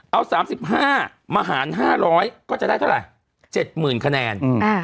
เอา๓๕มาหาร๕๐๐ก็จะได้เท่าไหร่๗๐๐คะแนน